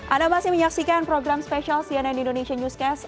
anda masih menyaksikan program spesial cnn indonesia newscast